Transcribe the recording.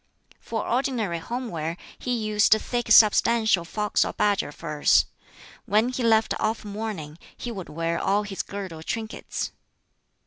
For ordinary home wear he used thick substantial fox or badger furs. When he left off mourning, he would wear all his girdle trinkets.